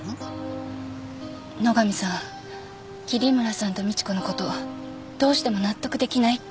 野上さん桐村さんと美知子のことどうしても納得できないって。